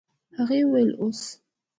هغې وويل اوس.